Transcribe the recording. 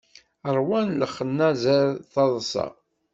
Ṛwan lexnazer taḍsa.